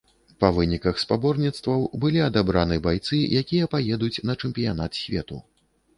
Па выніках спаборніцтваў былі адабраны байцы, якія паедуць на чэмпіянат свету.